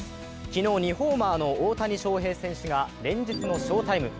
昨日、２ホーマーの大谷翔平選手が連日の翔タイム。